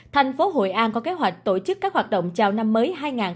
thành phố hội an có kế hoạch tổ chức các hoạt động chào năm mới hai nghìn hai mươi